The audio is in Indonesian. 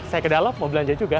saya kedalo mau belanja juga